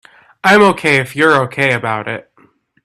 I'm OK if you're OK about it.